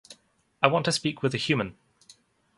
I want to speak with a human.